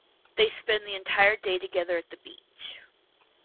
They spend the entire day together at the beach.